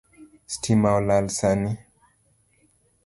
Stima olal sani